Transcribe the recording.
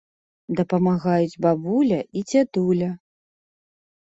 Дапамагаюць бабуля і дзядуля.